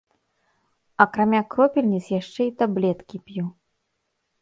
Акрамя кропельніц яшчэ і таблеткі п'ю.